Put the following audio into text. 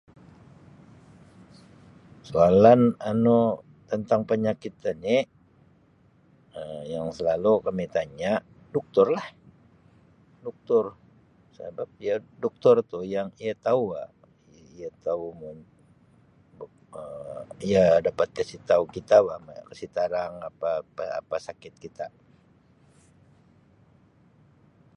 Soalan anu tantang penyakit ini Um yang selalu kami tanya doktor lah. doktor sabab dia doktor tu yang ia tau wah ia tau mung-be Um ia dapat kasi tau kita wah, kasi tarang apa-apa apa sakit kita.